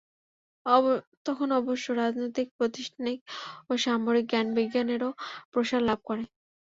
তখন অবশ্য রাজনৈতিক, প্রাতিষ্ঠানিক ও সামরিক জ্ঞান-বিজ্ঞানেরও প্রসার লাভ করে।